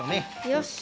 よし。